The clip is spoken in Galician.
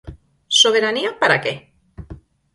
Soberanía para que?